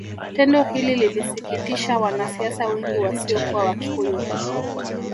Tendo hili lilisikitisha wanasiasa wengi wasiokuwa Wakikuyu